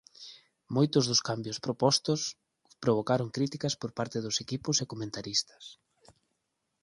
Moitos dos cambios propostos provocaron críticas por parte dos equipos e comentaristas.